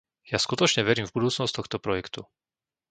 Ja skutočne verím v budúcnosť tohto projektu.